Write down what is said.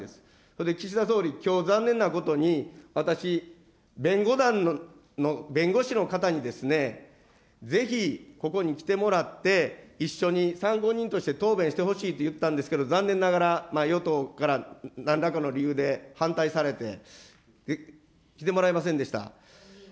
そこで岸田総理、きょう残念なことに、私、弁護団の弁護士の方にぜひここに来てもらって、一緒に参考人として答弁してほしいと言ったんですけど、与党からなんらかの理由で反対されて、来てもらえませんでした。